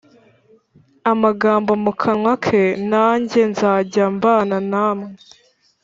Amagambo mu kanwa ke nanjye nzajya mbana namwe